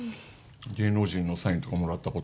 芸能人のサインとかもらったこととか？